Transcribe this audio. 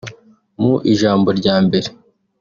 Mu ijambo rya mbere